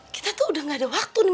kita tuh udah gak ada waktu nih